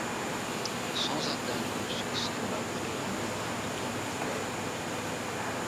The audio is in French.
Sans atteindre le succès, malgré un nombre important de voix.